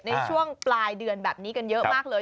ในช่วงปลายเดือนแบบนี้กันเยอะมากเลย